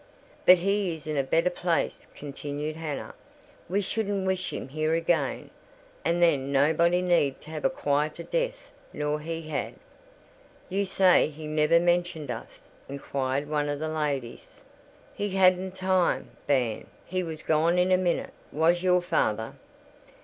"But he is in a better place," continued Hannah: "we shouldn't wish him here again. And then, nobody need to have a quieter death nor he had." "You say he never mentioned us?" inquired one of the ladies. "He hadn't time, bairn: he was gone in a minute, was your father.